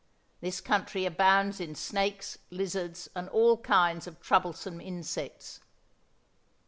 This country abounds in snakes, lizards, and all kinds of troublesome insects.